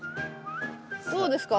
どうですか？